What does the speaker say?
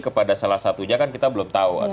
kepada salah satunya kan kita belum tahu